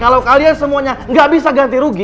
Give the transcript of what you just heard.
kalau kalian semuanya gak bisa ganti rugi